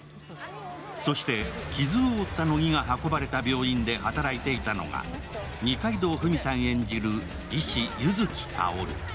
そして傷を負った乃木が運ばれた病院で働いていたのが二階堂ふみさん演じる医師、柚木薫。